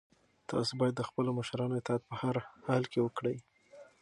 تاسو باید د خپلو مشرانو اطاعت په هر حال کې وکړئ.